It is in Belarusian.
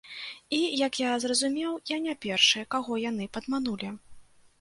І, як я зразумеў, я не першы, каго яны падманулі.